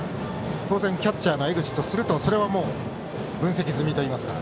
当然、キャッチャーの江口とするとそれは分析済みといいますか。